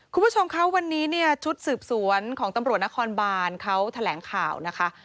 คุณผู้ชมคะวันนี้เนี่ยชุดสืบสวนของตำรวจนครบานเขาแถลงข่าวนะคะ